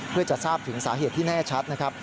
เพื่อจะทราบถึงสาเหตุที่แน่ชัดนะครับ